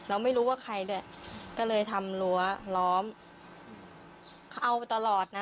เราไม่รู้ว่าใครด้วยก็เลยทำรั้วล้อมเขาเอาไปตลอดนะ